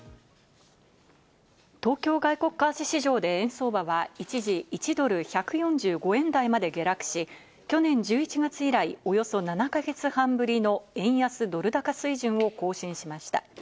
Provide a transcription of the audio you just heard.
東京外国為替市場で円相場は一時、１ドル＝１４５円台まで下落し、去年１１月以来、およそ７か月半ぶりの円安ドル高水準を更新しました。